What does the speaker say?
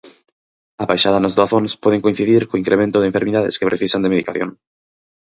A baixada nas doazóns poden coincidir co incremento de enfermidades que precisan de medicación.